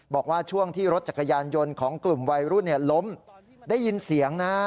บอกว่าช่วงที่รถจักรยานยนต์ของกลุ่มวัยรุ่นล้มได้ยินเสียงนะ